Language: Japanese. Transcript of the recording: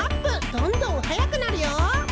どんどんはやくなるよ！